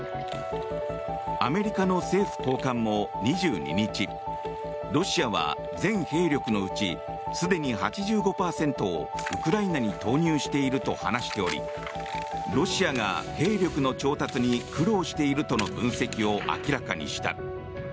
アメリカの政府高官も２２日ロシアは全兵力のうちすでに８５％をウクライナに投入していると話しておりロシアが兵力の調達に苦労しているとの分析を明らかにした。